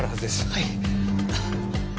はい。